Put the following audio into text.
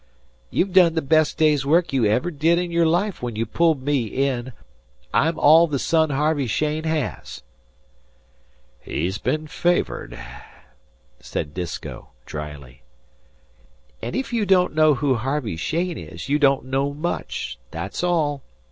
"You've done the best day's work you ever did in your life when you pulled me in. I'm all the son Harvey Cheyne has." "He's bin favoured," said Disko, dryly. "And if you don't know who Harvey Cheyne is, you don't know much that's all.